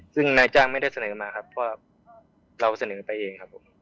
ซึ่งนายจ้างไม่ได้เสนอมาครับเพราะเราเสนอไปเองครับผม